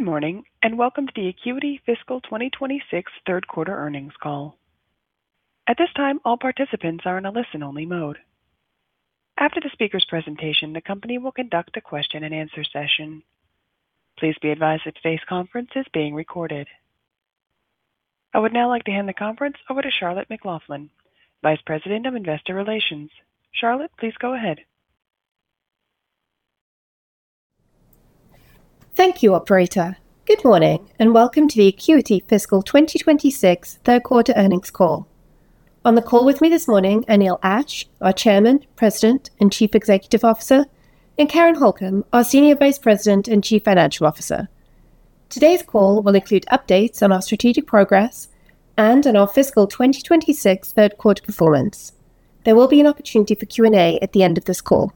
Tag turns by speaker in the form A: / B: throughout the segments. A: Good morning, and welcome to the Acuity Fiscal 2026 Third Quarter Earnings Call. At this time, all participants are in a listen-only mode. After the speakers' presentation, the company will conduct a question and answer session. Please be advised that today's conference is being recorded. I would now like to hand the conference over to Charlotte McLaughlin, Vice President of Investor Relations. Charlotte, please go ahead.
B: Thank you, operator. Good morning, and welcome to the Acuity fiscal 2026 third quarter earnings call. On the call with me this morning, are Neil Ashe, our Chairman, President, and Chief Executive Officer, and Karen Holcom, our Senior Vice President and Chief Financial Officer. Today's call will include updates on our strategic progress and on our fiscal 2026 third quarter performance. There will be an opportunity for Q&A at the end of this call.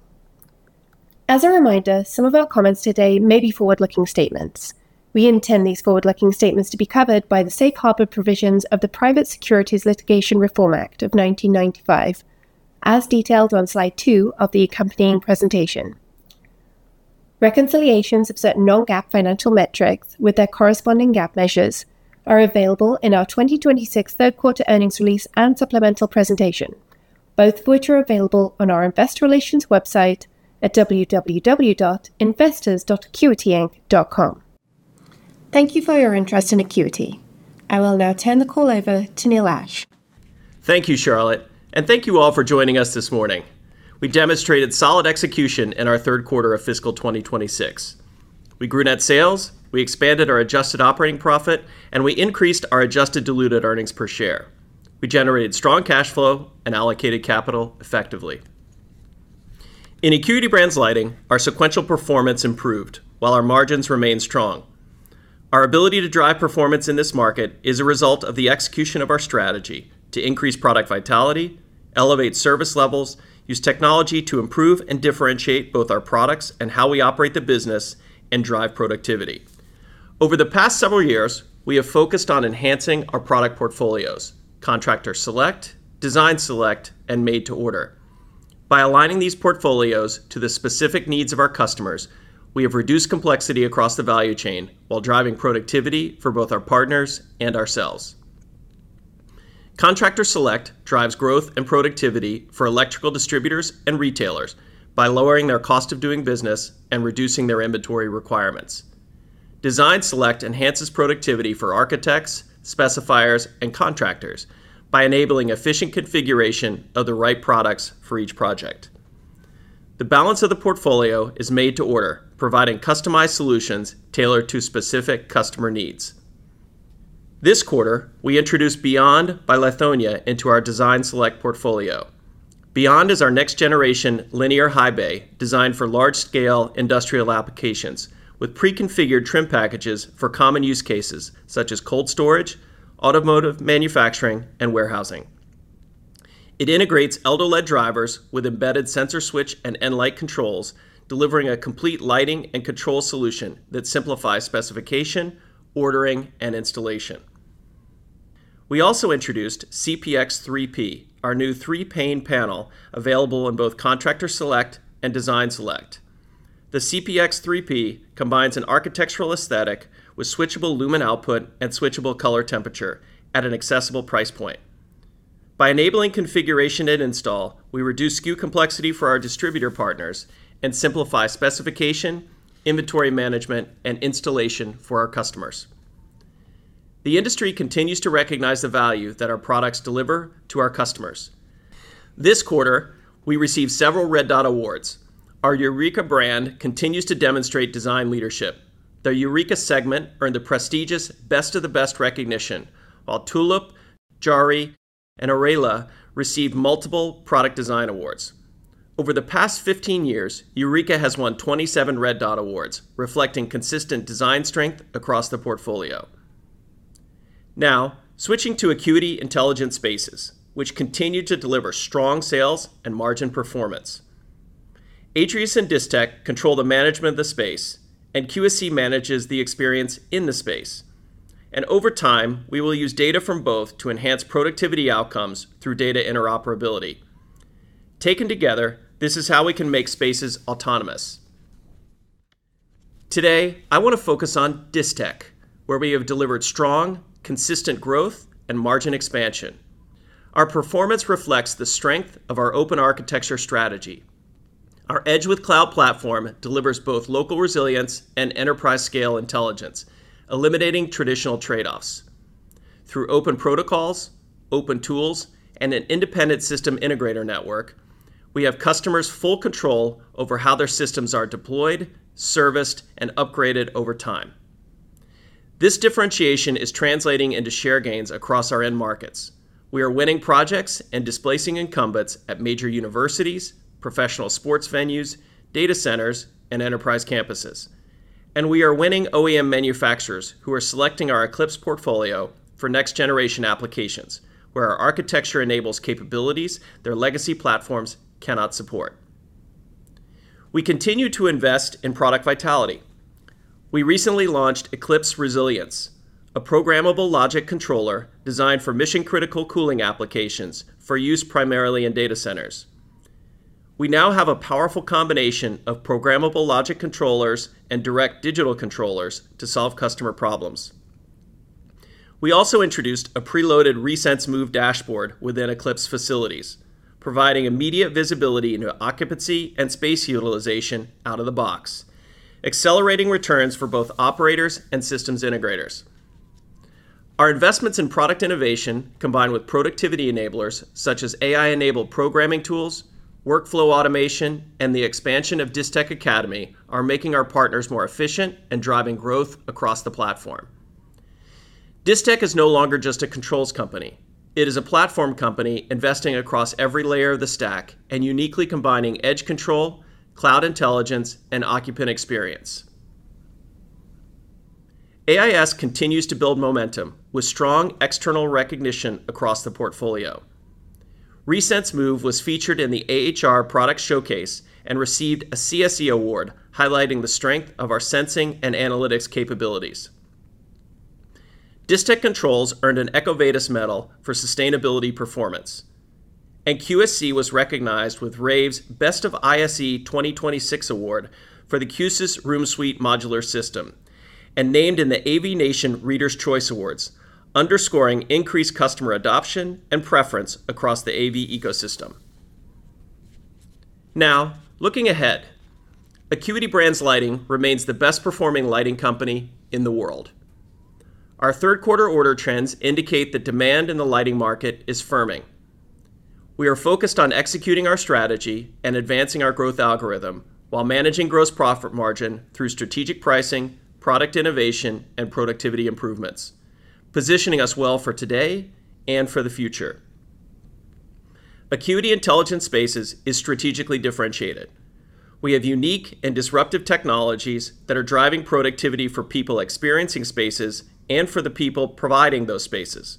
B: As a reminder, some of our comments today may be forward-looking statements. We intend these forward-looking statements to be covered by the safe harbor provisions of the Private Securities Litigation Reform Act of 1995, as detailed on slide two of the accompanying presentation. Reconciliations of certain non-GAAP financial metrics with their corresponding GAAP measures are available in our 2026 third quarter earnings release and supplemental presentation, both of which are available on our investor relations website at www.investors.acuityinc.com. Thank you for your interest in Acuity. I will now turn the call over to Neil Ashe.
C: Thank you, Charlotte, and thank you all for joining us this morning. We demonstrated solid execution in our third quarter of fiscal 2026. We grew net sales, we expanded our adjusted operating profit, and we increased our adjusted diluted earnings per share. We generated strong cash flow and allocated capital effectively. In Acuity Brands Lighting, our sequential performance improved while our margins remained strong. Our ability to drive performance in this market is a result of the execution of our strategy to increase product vitality, elevate service levels, use technology to improve and differentiate both our products and how we operate the business, and drive productivity. Over the past several years, we have focused on enhancing our product portfolios, Contractor Select, Design Select, and Made-to-Order. By aligning these portfolios to the specific needs of our customers, we have reduced complexity across the value chain while driving productivity for both our partners and ourselves. Contractor Select drives growth and productivity for electrical distributors and retailers by lowering their cost of doing business and reducing their inventory requirements. Design Select enhances productivity for architects, specifiers, and contractors by enabling efficient configuration of the right products for each project. The balance of the portfolio is Made-to-Order, providing customized solutions tailored to specific customer needs. This quarter, we introduced Beyond by Lithonia into our Design Select portfolio. Beyond is our next generation linear high bay designed for large-scale industrial applications with pre-configured trim packages for common use cases such as cold storage, automotive manufacturing, and warehousing. It integrates eldoLED drivers with embedded Sensor Switch and nLight controls, delivering a complete lighting and control solution that simplifies specification, ordering, and installation. We also introduced CPX3P, our new three-pane panel available in both Contractor Select and Design Select. The CPX3P combines an architectural aesthetic with switchable lumen output and switchable color temperature at an accessible price point. By enabling configuration at install, we reduce SKU complexity for our distributor partners and simplify specification, inventory management, and installation for our customers. The industry continues to recognize the value that our products deliver to our customers. This quarter, we received several Red Dot awards. Our Eureka brand continues to demonstrate design leadership. The Eureka Segment earned the prestigious Best of the Best recognition, while Tulip, Jerry, and Orelia received multiple product design awards. Over the past 15 years, Eureka has won 27 Red Dot awards, reflecting consistent design strength across the portfolio. Now, switching to Acuity Intelligent Spaces, which continue to deliver strong sales and margin performance. Atrius and Distech control the management of the space, and QSC manages the experience in the space. Over time, we will use data from both to enhance productivity outcomes through data interoperability. Taken together, this is how we can make spaces autonomous. Today, I want to focus on Distech, where we have delivered strong, consistent growth and margin expansion. Our performance reflects the strength of our open architecture strategy. Our edge-with-cloud platform delivers both local resilience and enterprise scale intelligence, eliminating traditional trade-offs. Through open protocols, open tools, and an independent system integrator network, we have customers full control over how their systems are deployed, serviced, and upgraded over time. This differentiation is translating into share gains across our end markets. We are winning projects and displacing incumbents at major universities, professional sports venues, data centers, and enterprise campuses. We are winning OEM manufacturers who are selecting our Eclypse portfolio for next generation applications, where our architecture enables capabilities their legacy platforms cannot support. We continue to invest in product vitality. We recently launched Eclypse Resilience, a programmable logic controller designed for mission critical cooling applications for use primarily in data centers. We now have a powerful combination of programmable logic controllers and direct digital controllers to solve customer problems. We also introduced a preloaded Resense Move dashboard within Eclypse Facilities, providing immediate visibility into occupancy and space utilization out of the box, accelerating returns for both operators and systems integrators. Our investments in product innovation, combined with productivity enablers such as AI-enabled programming tools, workflow automation, and the expansion of Distech Academy, are making our partners more efficient and driving growth across the platform. Distech is no longer just a controls company. It is a platform company investing across every layer of the stack and uniquely combining edge control, cloud intelligence, and occupant experience. AIS continues to build momentum with strong external recognition across the portfolio. Resense Move was featured in the AHR product showcase and received a CSE award highlighting the strength of our sensing and analytics capabilities. Distech Controls earned an EcoVadis medal for sustainability performance, and QSC was recognized with rAVe's Best of ISE 2026 award for the Q-SYS RoomSuite Modular System and named in the AVNation Readers' Choice Awards, underscoring increased customer adoption and preference across the AV ecosystem. Looking ahead, Acuity Brands Lighting remains the best-performing lighting company in the world. Our third quarter order trends indicate that demand in the lighting market is firming. We are focused on executing our strategy and advancing our growth algorithm while managing gross profit margin through strategic pricing, product innovation, and productivity improvements, positioning us well for today and for the future. Acuity Intelligent Spaces is strategically differentiated. We have unique and disruptive technologies that are driving productivity for people experiencing spaces and for the people providing those spaces.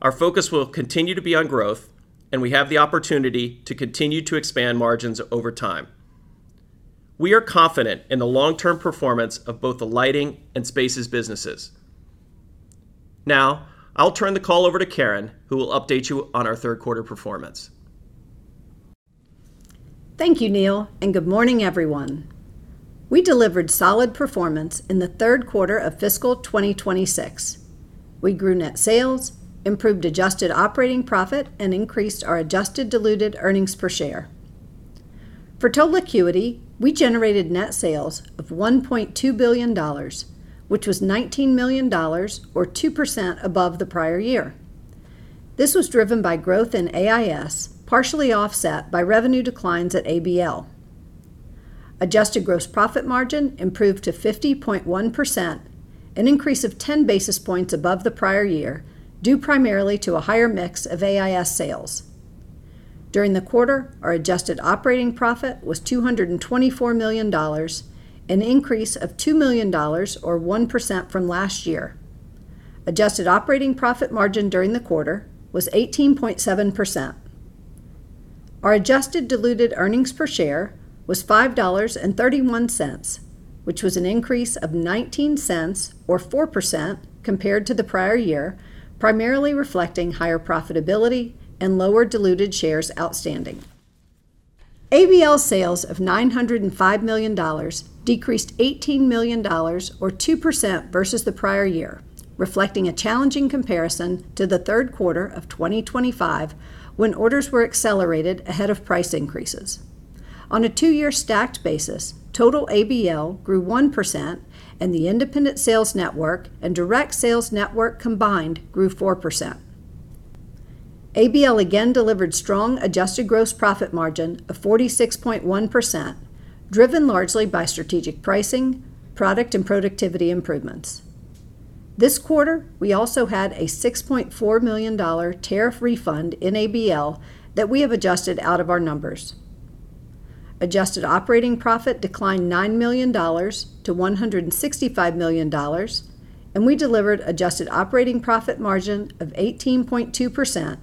C: Our focus will continue to be on growth, and we have the opportunity to continue to expand margins over time. We are confident in the long-term performance of both the lighting and spaces businesses. Now, I'll turn the call over to Karen, who will update you on our third quarter performance.
D: Thank you, Neil, and good morning, everyone. We delivered solid performance in the third quarter of fiscal 2026. We grew net sales, improved adjusted operating profit, and increased our adjusted diluted earnings per share. For total Acuity, we generated net sales of $1.2 billion, which was $19 million, or 2% above the prior year. This was driven by growth in AIS, partially offset by revenue declines at ABL. Adjusted gross profit margin improved to 50.1%, an increase of 10 basis points above the prior year, due primarily to a higher mix of AIS sales. During the quarter, our adjusted operating profit was $224 million, an increase of $2 million, or 1% from last year. Adjusted operating profit margin during the quarter was 18.7%. Our adjusted diluted earnings per share was $5.31, which was an increase of $0.19, or 4%, compared to the prior year, primarily reflecting higher profitability and lower diluted shares outstanding. ABL sales of $905 million, decreased $18 million, or 2%, versus the prior year, reflecting a challenging comparison to the third quarter of 2025, when orders were accelerated ahead of price increases. On a two-year stacked basis, total ABL grew 1%, and the independent sales network and direct sales network combined grew 4%. ABL again delivered strong adjusted gross profit margin of 46.1%, driven largely by strategic pricing, product and productivity improvements. This quarter, we also had a $6.4 million tariff refund in ABL that we have adjusted out of our numbers. Adjusted operating profit declined $9 million to $165 million. We delivered adjusted operating profit margin of 18.2%,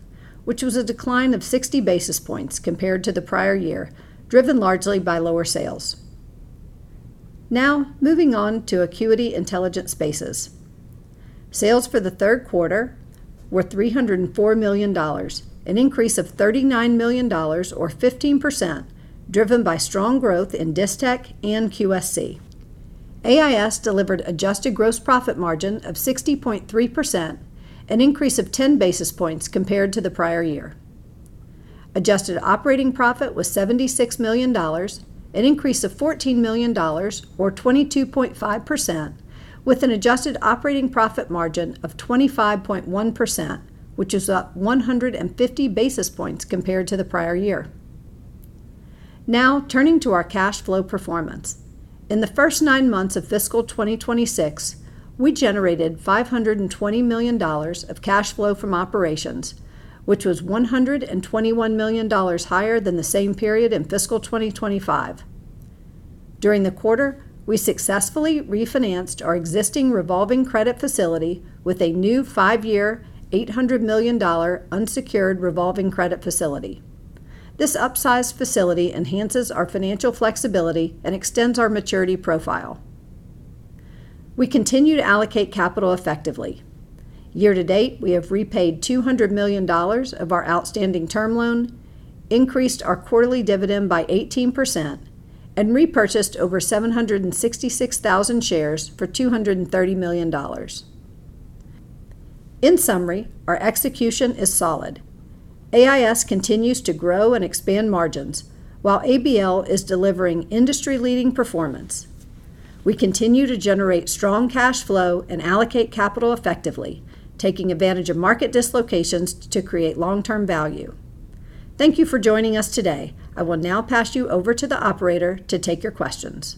D: which was a decline of 60 basis points compared to the prior year, driven largely by lower sales. Now, moving on to Acuity Intelligent Spaces. Sales for the third quarter were $304 million, an increase of $39 million, or 15%, driven by strong growth in Distech and QSC. AIS delivered adjusted gross profit margin of 60.3%, an increase of 10 basis points compared to the prior year. Adjusted operating profit was $76 million, an increase of $14 million, or 22.5%, with an adjusted operating profit margin of 25.1%, which is up 150 basis points compared to the prior year. Now, turning to our cash flow performance. In the first nine months of fiscal 2026, we generated $520 million of cash flow from operations, which was $121 million higher than the same period in fiscal 2025. During the quarter, we successfully refinanced our existing revolving credit facility with a new five-year, $800 million unsecured revolving credit facility. This upsized facility enhances our financial flexibility and extends our maturity profile. We continue to allocate capital effectively. Year to date, we have repaid $200 million of our outstanding term loan, increased our quarterly dividend by 18%, and repurchased over 766,000 shares for $230 million. In summary, our execution is solid. AIS continues to grow and expand margins, while ABL is delivering industry-leading performance. We continue to generate strong cash flow and allocate capital effectively, taking advantage of market dislocations to create long-term value. Thank you for joining us today. I will now pass you over to the operator to take your questions.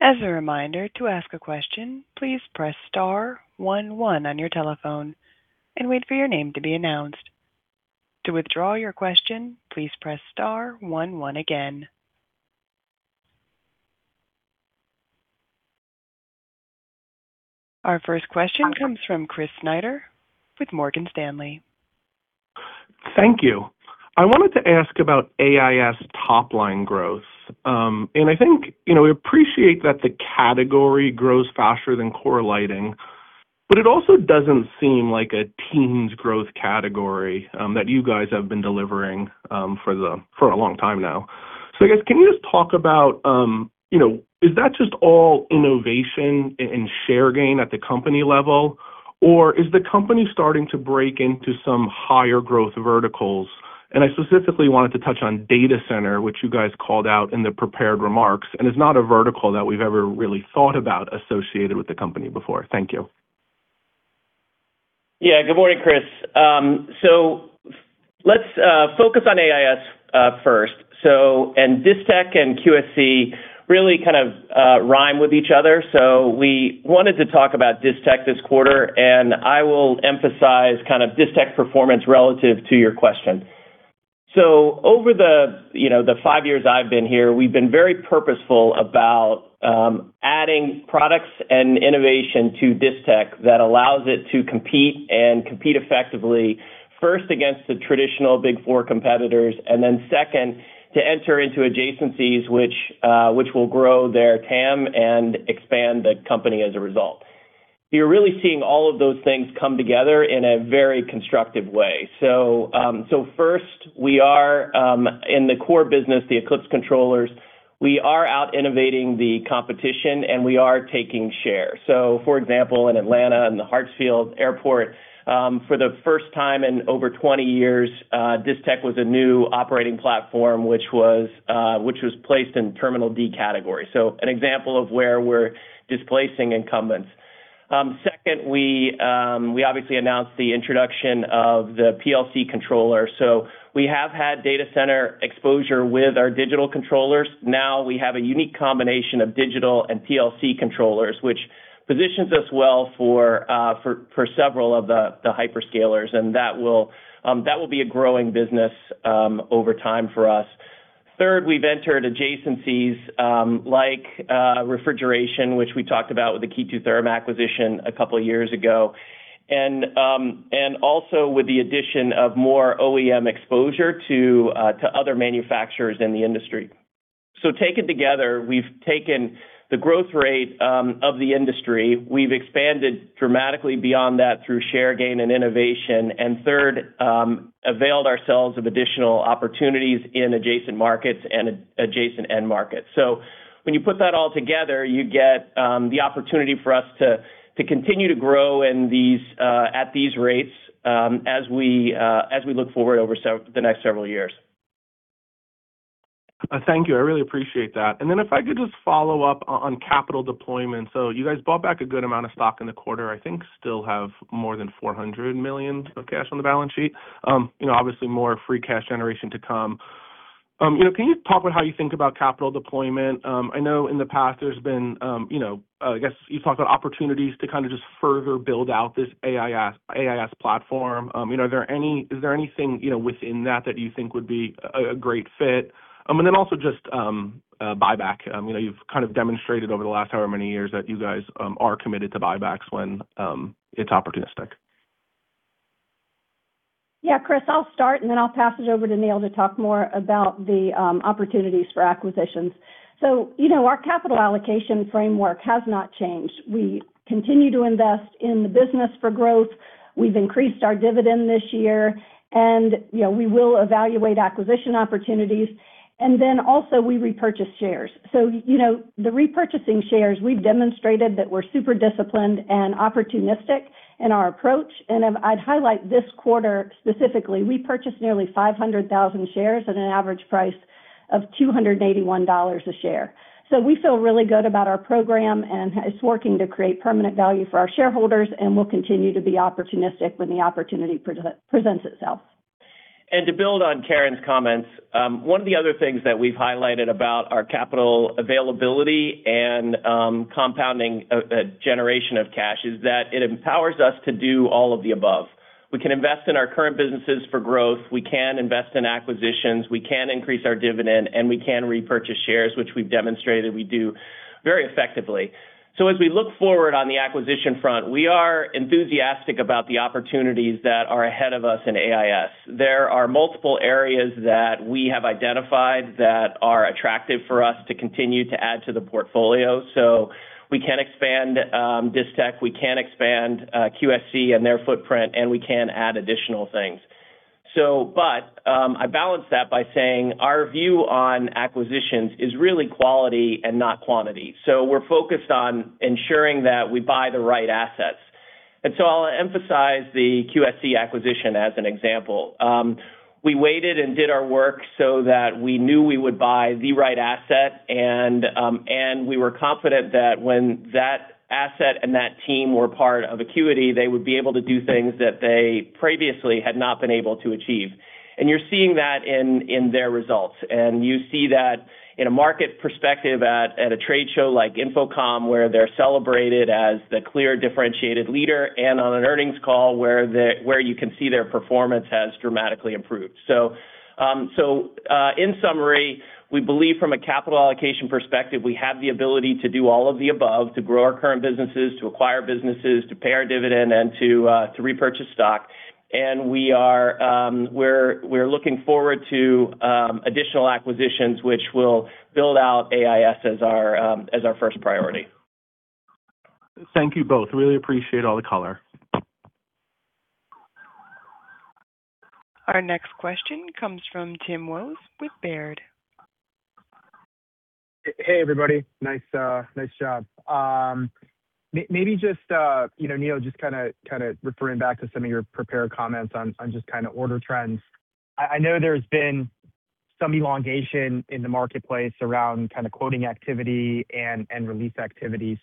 A: As a reminder, to ask a question, please press star one one on your telephone and wait for your name to be announced. To withdraw your question, please press star one one again. Our first question comes from Chris Snyder with Morgan Stanley.
E: Thank you. I wanted to ask about AIS top-line growth. I think we appreciate that the category grows faster than core lighting, but it also doesn't seem like a teens growth category that you guys have been delivering for a long time now. I guess, can you just talk about, is that just all innovation and share gain at the company level, or is the company starting to break into some higher growth verticals? I specifically wanted to touch on data center, which you guys called out in the prepared remarks, and is not a vertical that we've ever really thought about associated with the company before. Thank you.
C: Yeah. Good morning, Chris. Let's focus on AIS first. Distech and QSC really kind of rhyme with each other. We wanted to talk about Distech this quarter, and I will emphasize kind of Distech performance relative to your question. Over the five years I've been here, we've been very purposeful about adding products and innovation to Distech that allows it to compete and compete effectively, first against the traditional big four competitors, and then second, to enter into adjacencies which will grow their TAM and expand the company as a result. You're really seeing all of those things come together in a very constructive way. First, we are in the core business, the Eclypse controllers. We are out innovating the competition, and we are taking share. For example, in Atlanta, in the Hartsfield Airport, for the first time in over 20 years, Distech was a new operating platform, which was placed in terminal D category. An example of where we're displacing incumbents. Second, we obviously announced the introduction of the PLC controller. Now we have a unique combination of digital and PLC controllers, which positions us well for several of the hyperscalers, and that will be a growing business over time for us. Third, we've entered adjacencies like refrigeration, which we talked about with the KE2 Therm acquisition a couple of years ago. Also with the addition of more OEM exposure to other manufacturers in the industry. Taken together, we've taken the growth rate of the industry. We've expanded dramatically beyond that through share gain and innovation, and third, availed ourselves of additional opportunities in adjacent markets and adjacent end markets. When you put that all together, you get the opportunity for us to continue to grow at these rates as we look forward over the next several years.
E: Thank you. I really appreciate that. If I could just follow up on capital deployment. You guys bought back a good amount of stock in the quarter. I think still have more than $400 million of cash on the balance sheet. Obviously more free cash generation to come. Can you talk about how you think about capital deployment? I know in the past there's been, I guess you've talked about opportunities to kind of just further build out this AIS platform. Is there anything within that that you think would be a great fit? Also just buyback. You've kind of demonstrated over the last however many years that you guys are committed to buybacks when it's opportunistic.
D: Chris, I'll start, then I'll pass it over to Neil to talk more about the opportunities for acquisitions. Our capital allocation framework has not changed. We continue to invest in the business for growth. We've increased our dividend this year, and we will evaluate acquisition opportunities. Also we repurchase shares. The repurchasing shares, we've demonstrated that we're super disciplined and opportunistic in our approach. I'd highlight this quarter specifically, we purchased nearly 500,000 shares at an average price of $281 a share. We feel really good about our program, and it's working to create permanent value for our shareholders, and we'll continue to be opportunistic when the opportunity presents itself.
C: To build on Karen's comments, one of the other things that we've highlighted about our capital availability and compounding generation of cash is that it empowers us to do all of the above. We can invest in our current businesses for growth, we can invest in acquisitions, we can increase our dividend, and we can repurchase shares, which we've demonstrated we do very effectively. As we look forward on the acquisition front, we are enthusiastic about the opportunities that are ahead of us in AIS. There are multiple areas that we have identified that are attractive for us to continue to add to the portfolio. We can expand Distech, we can expand QSC and their footprint, and we can add additional things. I balance that by saying our view on acquisitions is really quality and not quantity. We're focused on ensuring that we buy the right assets. I'll emphasize the QSC acquisition as an example. We waited and did our work so that we knew we would buy the right asset, and we were confident that when that asset and that team were part of Acuity, they would be able to do things that they previously had not been able to achieve. You're seeing that in their results. You see that in a market perspective at a trade show like InfoComm, where they're celebrated as the clear differentiated leader, and on an earnings call where you can see their performance has dramatically improved. In summary, we believe from a capital allocation perspective, we have the ability to do all of the above, to grow our current businesses, to acquire businesses, to pay our dividend, and to repurchase stock. We're looking forward to additional acquisitions, which will build out AIS as our first priority.
E: Thank you both. Really appreciate all the color.
A: Our next question comes from Tim Wojs with Baird.
F: Hey, everybody. Nice job. Maybe just, Neil, just kind of referring back to some of your prepared comments on just kind of order trends. I know there's been some elongation in the marketplace around quoting activity and release activity.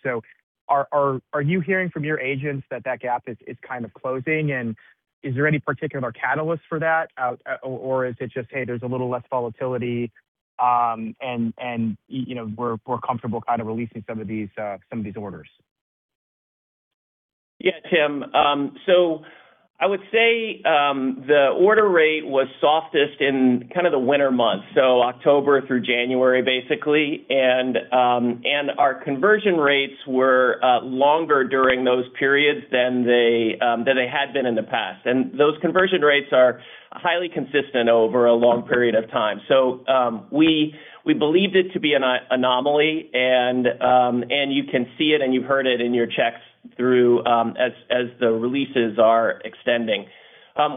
F: Are you hearing from your agents that that gap is kind of closing, and is there any particular catalyst for that? Is it just, hey, there's a little less volatility, and we're comfortable kind of releasing some of these orders?
C: Yes, Tim. I would say, the order rate was softest in kind of the winter months, October through January. Our conversion rates were longer during those periods than they had been in the past. And those conversion rates are highly consistent over a long period of time. We believed it to be an anomaly, and you can see it, and you've heard it in your checks through, as the releases are extending.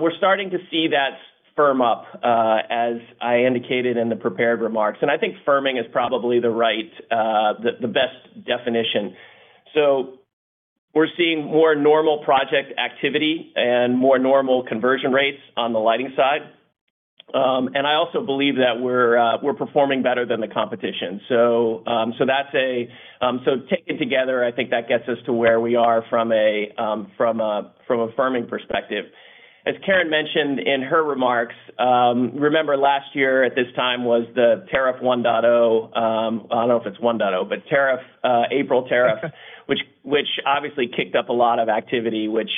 C: We're starting to see that firm up, as I indicated in the prepared remarks. I think firming is probably the best definition. We're seeing more normal project activity and more normal conversion rates on the lighting side. I also believe that we're performing better than the competition. Taken together, I think that gets us to where we are from a firming perspective. As Karen mentioned in her remarks, remember last year at this time was the tariff 1.0. I don't know if it's 1.0, but April tariff, which obviously kicked up a lot of activity, which,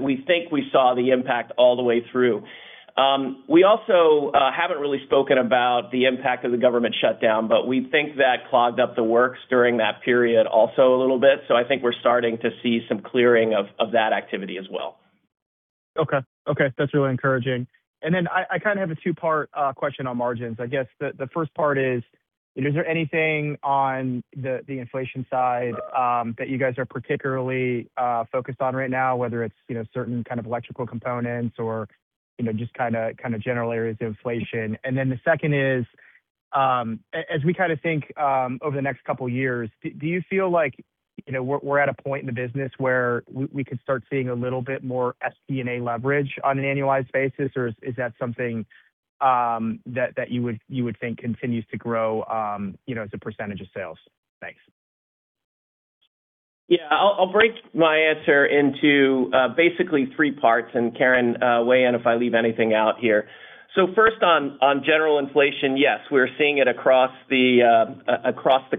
C: we think we saw the impact all the way through. We also haven't really spoken about the impact of the government shutdown, but we think that clogged up the works during that period also a little bit. I think we're starting to see some clearing of that activity as well.
F: Okay. That's really encouraging. Then I kind of have a two-part question on margins. I guess the first part is there anything on the inflation side that you guys are particularly focused on right now, whether it's certain kind of electrical components or just kind of general areas of inflation? Then the second is, as we kind of think over the next couple of years, do you feel like we're at a point in the business where we could start seeing a little bit more SG&A leverage on an annualized basis, or is that something that you would think continues to grow as a percentage of sales? Thanks.
C: I'll break my answer into basically three parts, and Karen, weigh in if I leave anything out here. First on general inflation, yes, we're seeing it across the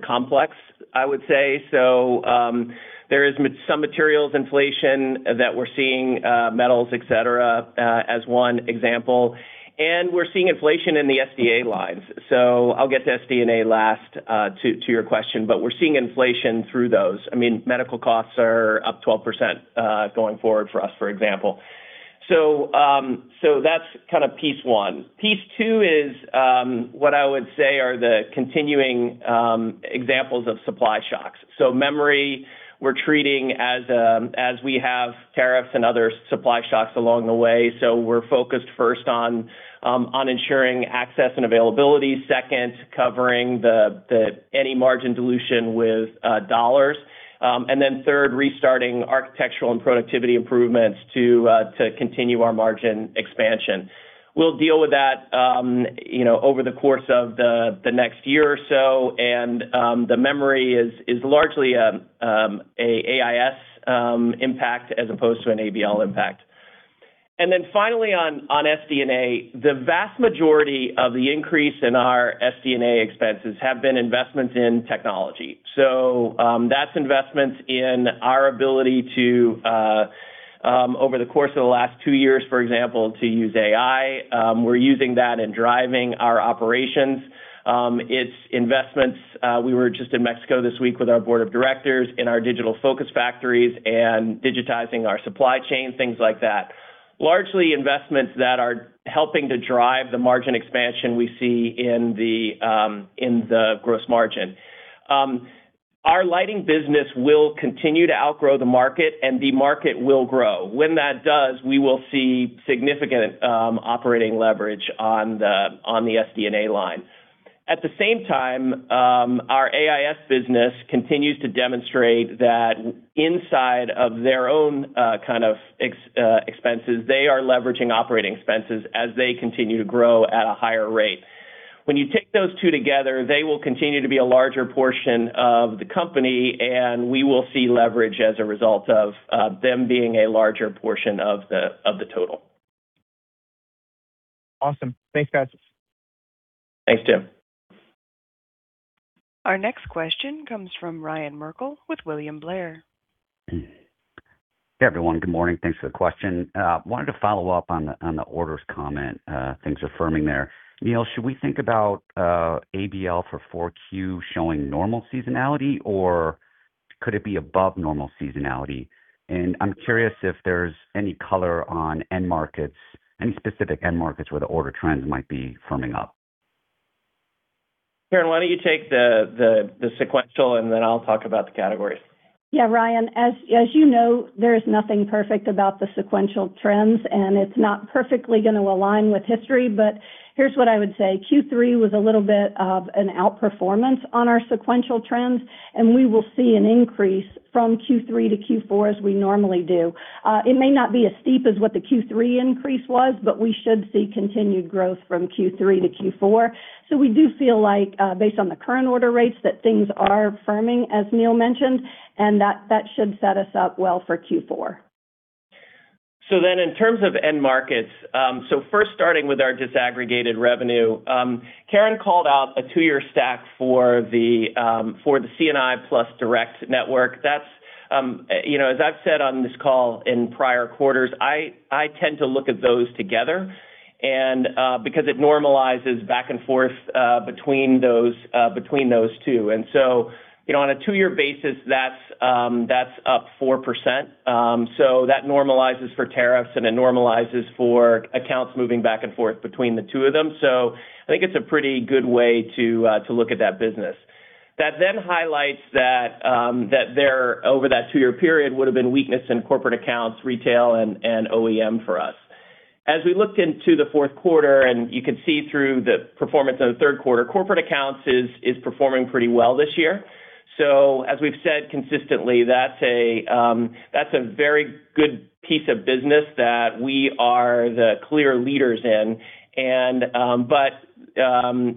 C: complex, I would say. There is some materials inflation that we're seeing, metals, et cetera, as one example. We're seeing inflation in the SG&A lines. I'll get to SG&A last to your question, but we're seeing inflation through those. Medical costs are up 12% going forward for us, for example. That's kind of piece one. Piece two is what I would say are the continuing examples of supply shocks. Memory, we're treating as we have tariffs and other supply shocks along the way. We're focused first on ensuring access and availability. Second, covering any margin dilution with dollars. Then third, restarting architectural and productivity improvements to continue our margin expansion. We'll deal with that over the course of the next year or so, the memory is largely an AIS impact as opposed to an ABL impact. Finally on SG&A, the vast majority of the increase in our SG&A expenses have been investments in technology. That's investments in our ability to over the course of the last two years, for example, to use AI. We're using that in driving our operations. It's investments, we were just in Mexico this week with our Board of Directors in our digital focus factories and digitizing our supply chain, things like that. Largely investments that are helping to drive the margin expansion we see in the gross margin. Our lighting business will continue to outgrow the market, and the market will grow. That does, we will see significant operating leverage on the SG&A line. At the same time, our AIS business continues to demonstrate that inside of their own kind of expenses, they are leveraging operating expenses as they continue to grow at a higher rate. You take those two together, they will continue to be a larger portion of the company, and we will see leverage as a result of them being a larger portion of the total.
F: Awesome. Thanks, guys.
C: Thanks, Tim.
A: Our next question comes from Ryan Merkel with William Blair.
G: Hey, everyone. Good morning. Thanks for the question. Wanted to follow up on the orders comment, things firming there. Neil, should we think about ABL for 4Q showing normal seasonality, or could it be above normal seasonality? I'm curious if there's any color on end markets, any specific end markets where the order trends might be firming up.
C: Karen, why don't you take the sequential, then I'll talk about the categories.
D: Yeah, Ryan, as you know, there is nothing perfect about the sequential trends. It's not perfectly going to align with history, but here's what I would say. Q3 was a little bit of an outperformance on our sequential trends. We will see an increase from Q3 to Q4 as we normally do. It may not be as steep as what the Q3 increase was, but we should see continued growth from Q3 to Q4. We do feel like, based on the current order rates, that things are firming, as Neil mentioned, and that should set us up well for Q4.
C: In terms of end markets, first starting with our disaggregated revenue. Karen called out a two-year stack for the C&I plus direct network. As I've said on this call in prior quarters, I tend to look at those together because it normalizes back and forth between those two. On a two-year basis, that's up 4%. That normalizes for tariffs and it normalizes for accounts moving back and forth between the two of them. I think it's a pretty good way to look at that business. That highlights that there, over that two-year period, would have been weakness in corporate accounts, retail, and OEM for us. As we looked into the fourth quarter, and you can see through the performance of the third quarter, corporate accounts is performing pretty well this year. As we've said consistently, that's a very good piece of business that we are the clear leaders in, but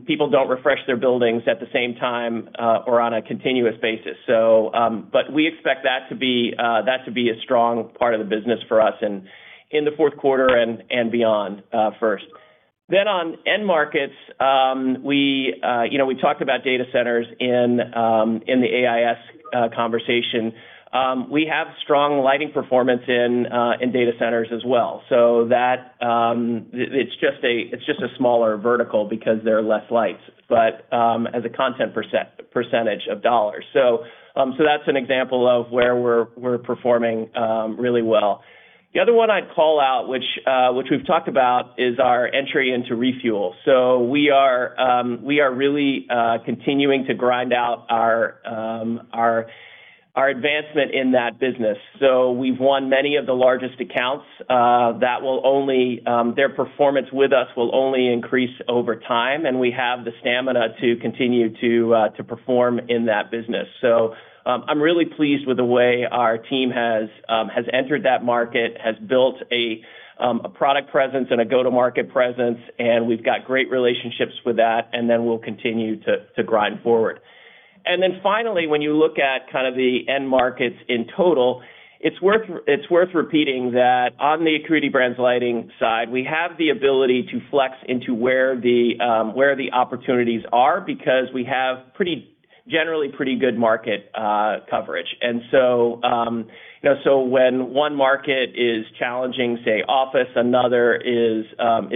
C: people don't refresh their buildings at the same time or on a continuous basis. We expect that to be a strong part of the business for us in the fourth quarter and beyond first. On end markets, we talked about data centers in the AIS conversation. We have strong lighting performance in data centers as well. It's just a smaller vertical because there are less lights as a content percentage of dollars. That's an example of where we're performing really well. The other one I'd call out, which we've talked about, is our entry into refuel. We are really continuing to grind out our advancement in that business. We've won many of the largest accounts. Their performance with us will only increase over time, and we have the stamina to continue to perform in that business. I'm really pleased with the way our team has entered that market, has built a product presence and a go-to-market presence, and we've got great relationships with that, and we'll continue to grind forward. Finally, when you look at the end markets in total, it's worth repeating that on the Acuity Brands Lighting side, we have the ability to flex into where the opportunities are because we have generally pretty good market coverage. When one market is challenging, say office, another is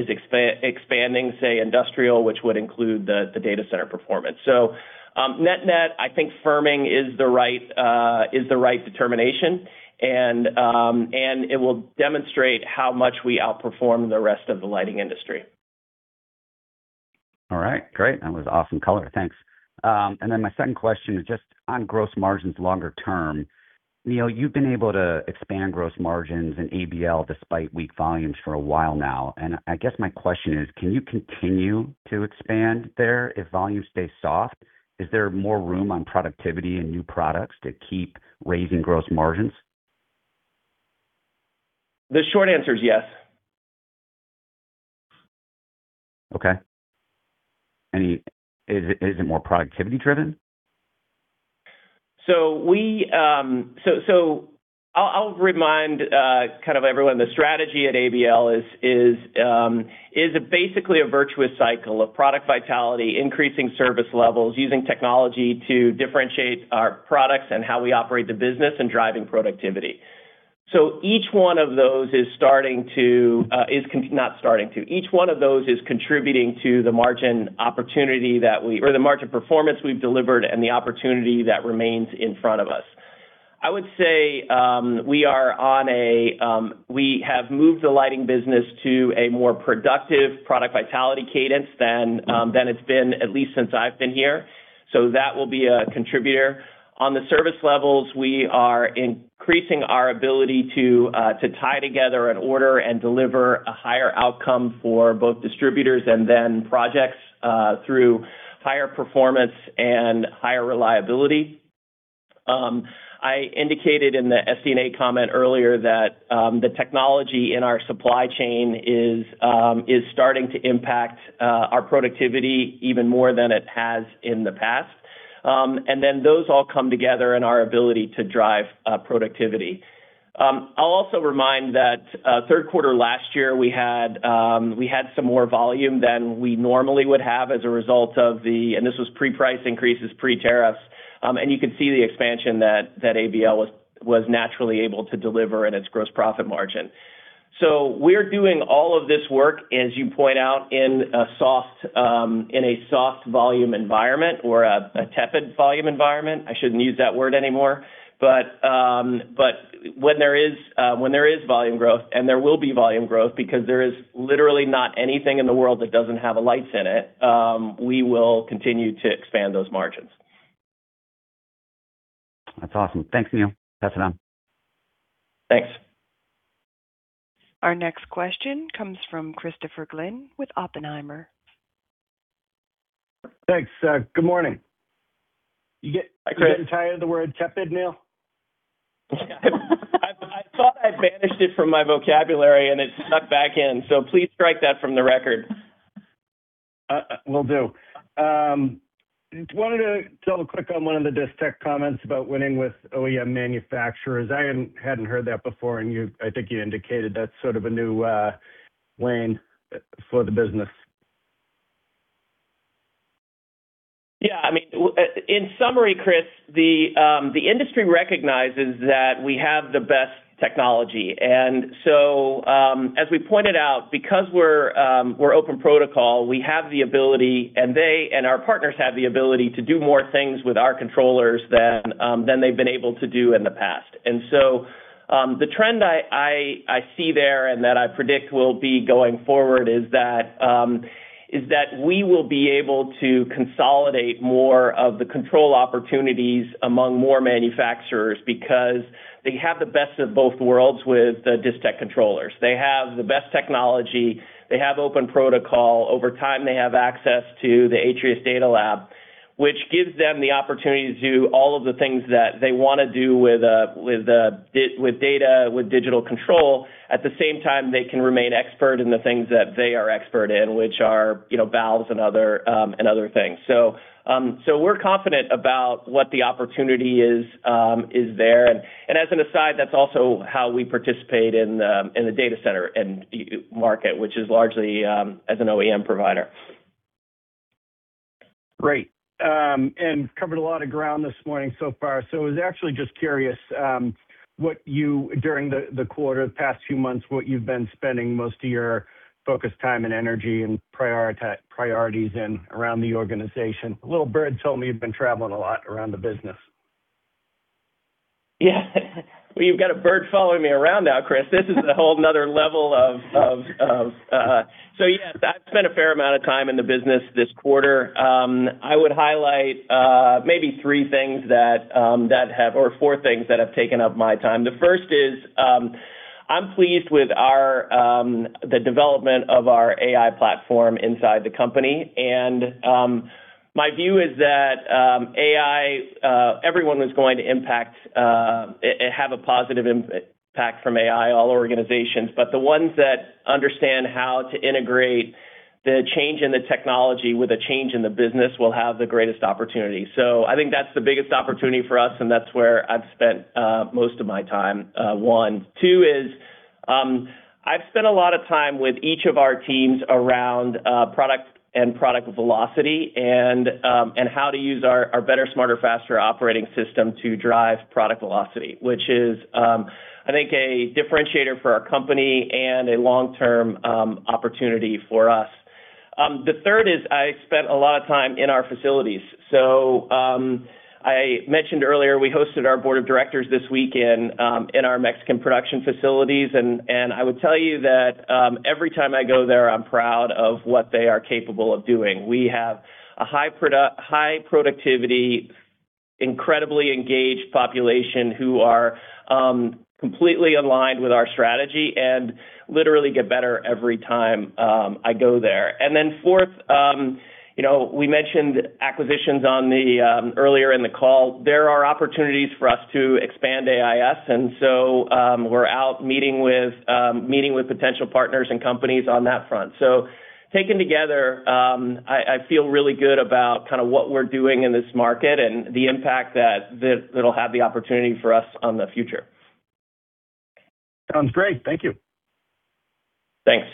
C: expanding, say industrial, which would include the data center performance. Net-net, I think firming is the right determination, and it will demonstrate how much we outperform the rest of the lighting industry.
G: All right. Great. That was awesome color. Thanks. My second question is just on gross margins longer term. Neil, you've been able to expand gross margins in ABL despite weak volumes for a while now. I guess my question is, can you continue to expand there if volumes stay soft? Is there more room on productivity and new products to keep raising gross margins?
C: The short answer is yes.
G: Okay. Is it more productivity driven?
C: I'll remind everyone the strategy at ABL is basically a virtuous cycle of product vitality, increasing service levels, using technology to differentiate our products and how we operate the business, and driving productivity. Each one of those is contributing to the margin performance we've delivered and the opportunity that remains in front of us. I would say we have moved the lighting business to a more productive product vitality cadence than it's been, at least since I've been here. That will be a contributor. On the service levels, we are increasing our ability to tie together an order and deliver a higher outcome for both distributors and then projects, through higher performance and higher reliability. I indicated in the SG&A comment earlier that the technology in our supply chain is starting to impact our productivity even more than it has in the past. Those all come together in our ability to drive productivity. I'll also remind that third quarter last year, we had some more volume than we normally would have as a result of the and this was pre-price increases, pre-tariffs. You could see the expansion that ABL was naturally able to deliver in its gross profit margin. We're doing all of this work, as you point out, in a soft volume environment or a tepid volume environment. I shouldn't use that word anymore. When there is volume growth, and there will be volume growth because there is literally not anything in the world that doesn't have a lights in it, we will continue to expand those margins.
G: That's awesome. Thanks, Neil. Pass it on.
C: Thanks.
A: Our next question comes from Christopher Glynn with Oppenheimer.
H: Thanks. Good morning.
C: Hi, Chris.
H: Tired of the word tepid, Neil?
C: Yeah. I thought I banished it from my vocabulary and it snuck back in, so please strike that from the record.
H: Will do. Wanted to double-click on one of the Distech comments about winning with OEM manufacturers. I hadn't heard that before, and I think you indicated that's sort of a new lane for the business.
C: Yeah, in summary, Chris, the industry recognizes that we have the best technology. As we pointed out, because we're open protocol, we have the ability, and our partners have the ability to do more things with our controllers than they've been able to do in the past. The trend I see there and that I predict will be going forward is that we will be able to consolidate more of the control opportunities among more manufacturers because they have the best of both worlds with the Distech controllers. They have the best technology. They have open protocol. Over time, they have access to the Atrius DataLab, which gives them the opportunity to do all of the things that they want to do with data, with digital control. At the same time, they can remain expert in the things that they are expert in, which are valves and other things. We're confident about what the opportunity is there. As an aside, that's also how we participate in the data center and market, which is largely as an OEM provider.
H: Great. Covered a lot of ground this morning so far. I was actually just curious, during the quarter, the past few months, what you've been spending most of your focused time and energy and priorities in around the organization. A little bird told me you've been traveling a lot around the business.
C: Yeah. Well, you've got a bird following me around now, Chris. This is a whole another level of. Yeah, I've spent a fair amount of time in the business this quarter. I would highlight maybe four things that have taken up my time. The first is, I'm pleased with the development of our AI platform inside the company. My view is that AI, everyone was going to have a positive impact from AI, all organizations. The ones that understand how to integrate the change in the technology with a change in the business will have the greatest opportunity. I think that's the biggest opportunity for us, and that's where I've spent most of my time, one. Two is, I've spent a lot of time with each of our teams around product and product velocity and how to use our better, smarter, faster operating system to drive product velocity, which is, I think, a differentiator for our company and a long-term opportunity for us. The third is I spent a lot of time in our facilities. I mentioned earlier we hosted our Board of Directors this week in our Mexican production facilities, and I would tell you that every time I go there, I'm proud of what they are capable of doing. We have a high productivity, incredibly engaged population who are completely aligned with our strategy and literally get better every time I go there. Then fourth, we mentioned acquisitions earlier in the call. There are opportunities for us to expand AIS. We're out meeting with potential partners and companies on that front. Taken together, I feel really good about what we're doing in this market and the impact that it'll have the opportunity for us on the future.
H: Sounds great. Thank you.
C: Thanks.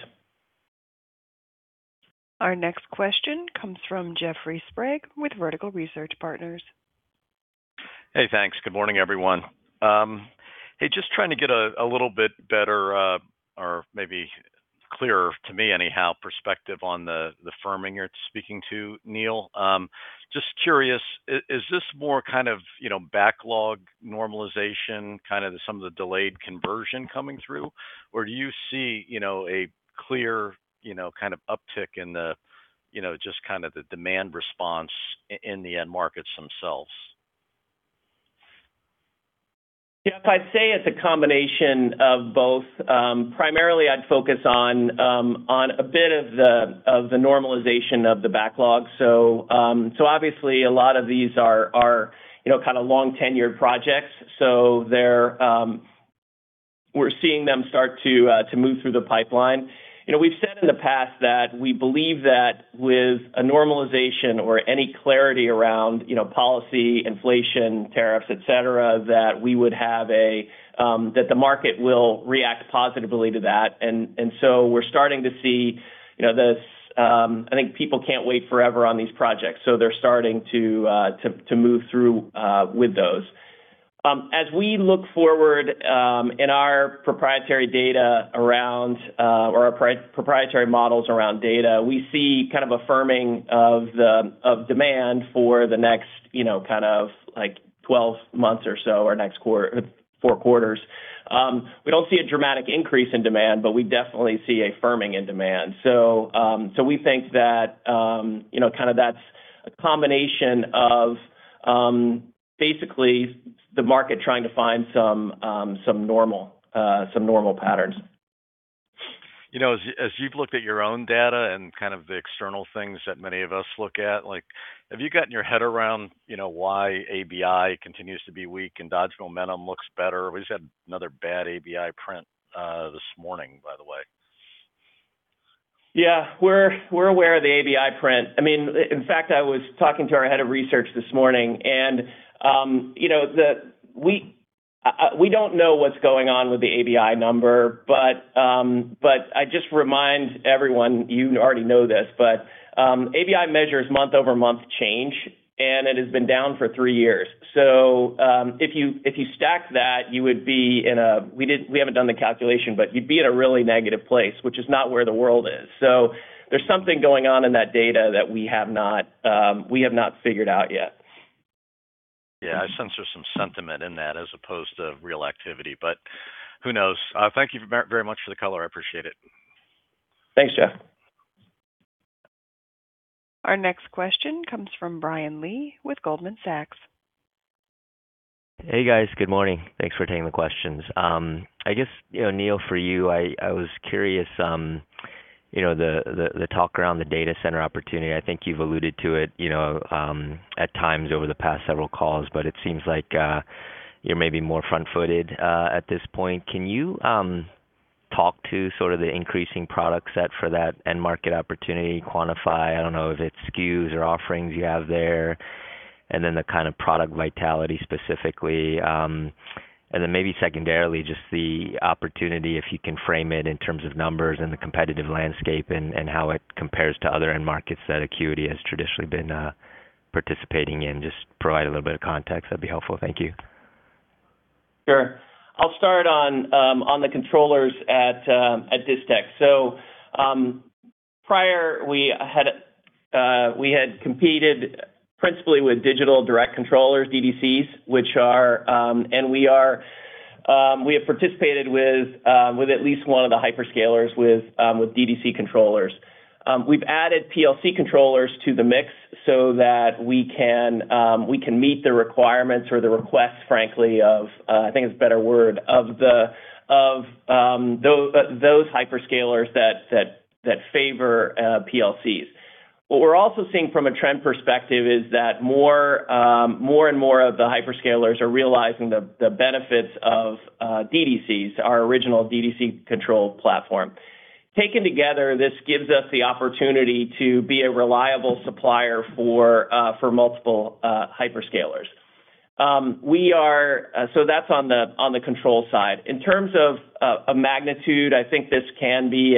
A: Our next question comes from Jeffrey Sprague with Vertical Research Partners.
I: Hey, thanks. Good morning, everyone. Hey, just trying to get a little bit better or maybe clearer to me anyhow, perspective on the firming you're speaking to, Neil. Just curious, is this more kind of backlog normalization, kind of some of the delayed conversion coming through, or do you see a clear kind of uptick in just kind of the demand response in the end markets themselves?
C: Yeah, if I'd say it's a combination of both, primarily I'd focus on a bit of the normalization of the backlog. Obviously a lot of these are kind of long tenured projects. We're seeing them start to move through the pipeline. We've said in the past that we believe that with a normalization or any clarity around policy, inflation, tariffs, et cetera, that the market will react positively to that. I think people can't wait forever on these projects, so they're starting to move through with those. As we look forward in our proprietary data around, or our proprietary models around data, we see kind of a firming of demand for the next kind of 12 months or so, or next four quarters. We don't see a dramatic increase in demand, but we definitely see a firming in demand. We think that kind of that's a combination of basically the market trying to find some normal patterns.
I: As you've looked at your own data and kind of the external things that many of us look at, have you gotten your head around why ABI continues to be weak and Dodge momentum looks better? We just had another bad ABI print this morning, by the way.
C: Yeah, we're aware of the ABI print. In fact, I was talking to our head of research this morning, we don't know what's going on with the ABI number, I just remind everyone, you already know this, ABI measures month-over-month change, it has been down for three years. If you stack that, We haven't done the calculation, but you'd be in a really negative place, which is not where the world is. There's something going on in that data that we have not figured out yet.
I: Yeah, I sense there's some sentiment in that as opposed to real activity, but who knows? Thank you very much for the color. I appreciate it.
C: Thanks, Jeff.
A: Our next question comes from Brian Lee with Goldman Sachs.
J: Hey, guys. Good morning. Thanks for taking the questions. I guess, Neil, for you, I was curious, the talk around the data center opportunity, I think you've alluded to it at times over the past several calls, but it seems like you're maybe more front-footed at this point. Can you talk to sort of the increasing product set for that end market opportunity, quantify, I don't know if it's SKUs or offerings you have there, and then the kind of product vitality specifically? Then maybe secondarily, just the opportunity, if you can frame it in terms of numbers and the competitive landscape and how it compares to other end markets that Acuity has traditionally been participating in. Just provide a little bit of context, that'd be helpful. Thank you.
C: I'll start on the controllers at Distech. Prior, we had competed principally with digital direct controllers, DDCs, and we have participated with at least one of the hyperscalers with DDC controllers. We've added PLC controllers to the mix so that we can meet the requirements or the requests, frankly, of, I think it's a better word, of those hyperscalers that favor PLCs. What we're also seeing from a trend perspective is that more and more of the hyperscalers are realizing the benefits of DDCs, our original DDC control platform. Taken together, this gives us the opportunity to be a reliable supplier for multiple hyperscalers. That's on the control side. In terms of a magnitude, I think this can be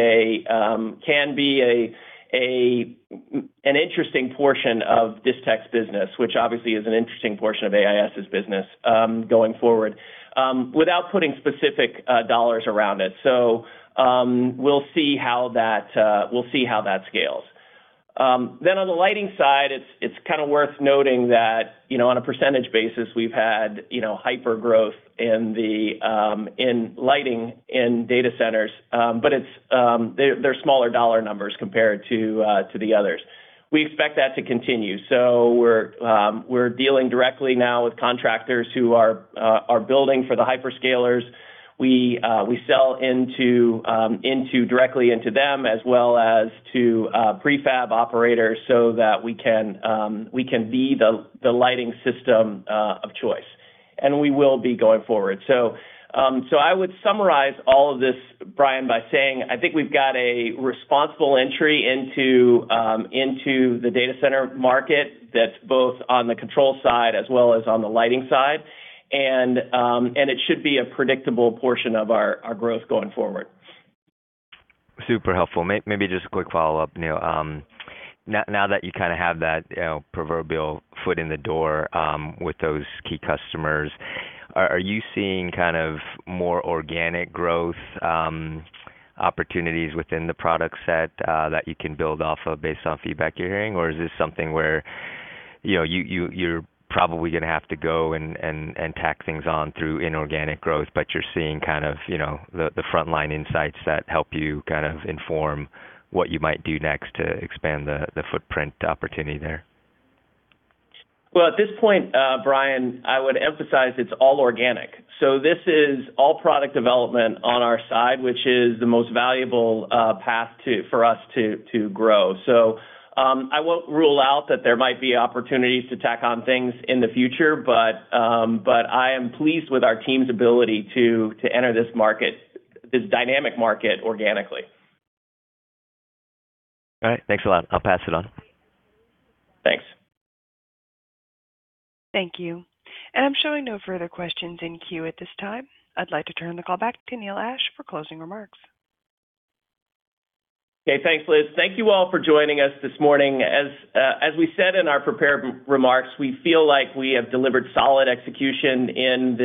C: an interesting portion of Distech's business, which obviously is an interesting portion of AIS's business going forward without putting specific dollars around it. We'll see how that scales. On the lighting side, it's kind of worth noting that on a percentage basis, we've had hypergrowth in lighting in data centers, but they're smaller dollar numbers compared to the others. We expect that to continue. We're dealing directly now with contractors who are building for the hyperscalers. We sell directly into them as well as to prefab operators so that we can be the lighting system of choice, and we will be going forward. I would summarize all of this, Brian, by saying I think we've got a responsible entry into the data center market that's both on the control side as well as on the lighting side. It should be a predictable portion of our growth going forward.
J: Super helpful. Maybe just a quick follow-up, Neil. Now that you have that proverbial foot in the door with those key customers, are you seeing more organic growth opportunities within the product set that you can build off of based on feedback you're hearing? Or is this something where you're probably going to have to go and tack things on through inorganic growth, but you're seeing the frontline insights that help you inform what you might do next to expand the footprint opportunity there?
C: Well, at this point, Brian, I would emphasize it's all organic. This is all product development on our side, which is the most valuable path for us to grow. I won't rule out that there might be opportunities to tack on things in the future, but I am pleased with our team's ability to enter this dynamic market organically.
J: All right. Thanks a lot. I'll pass it on.
C: Thanks.
A: Thank you. I'm showing no further questions in queue at this time. I'd like to turn the call back to Neil Ashe for closing remarks.
C: Okay. Thanks, Liz. Thank you all for joining us this morning. As we said in our prepared remarks, we feel like we have delivered solid execution in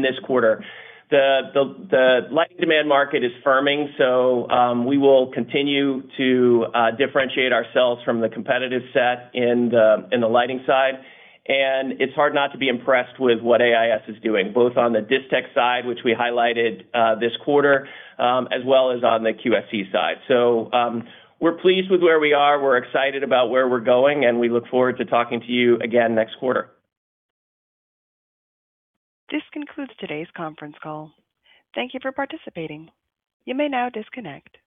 C: this quarter. The lighting demand market is firming. We will continue to differentiate ourselves from the competitive set in the lighting side. It's hard not to be impressed with what AIS is doing, both on the Distech side, which we highlighted this quarter, as well as on the QSC side. We're pleased with where we are, we're excited about where we're going, and we look forward to talking to you again next quarter.
A: This concludes today's conference call. Thank you for participating. You may now disconnect.